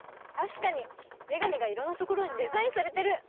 たしかにめがねがいろんなところにデザインされてる。